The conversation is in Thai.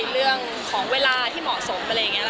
เรื่องของเวลาที่เหมาะสมอะไรอย่างนี้